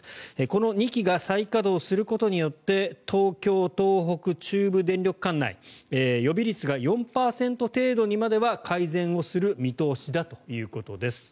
この２機が再稼働することによって東京、東北、中部電力管内予備率が４％程度にまでは改善する見通しだということです。